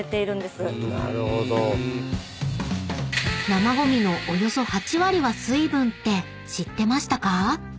［生ゴミのおよそ８割は水分って知ってましたか？］